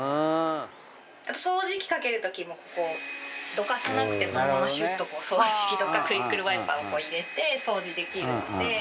どかさなくてこのままシュッとこう掃除機とかクイックルワイパーを入れて掃除できるので。